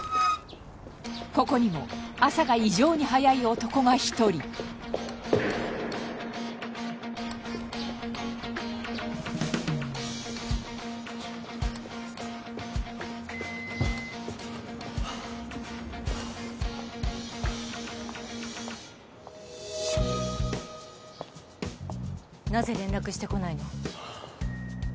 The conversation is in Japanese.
ここにも朝が異常に早い男が一人なぜ連絡してこないの？